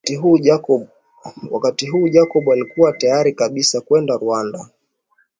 Wakati huu Jacob alikuwa tayari kabisa kwenda Rwanda